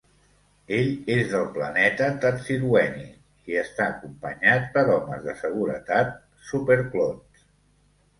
Ell és del planeta Tadsilweny i està acompanyat per homes de seguretat "superclons".